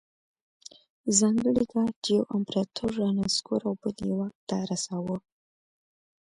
ځانګړي ګارډ یو امپرتور رانسکور او بل یې واک ته رساوه.